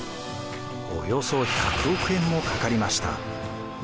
およそ１００億円もかかりました。